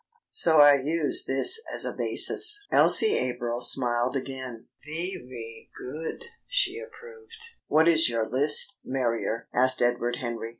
So I used this as a basis." Elsie April smiled again. "Ve ry good!" she approved. "What is your list, Marrier?" asked Edward Henry.